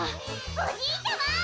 おじいちゃま！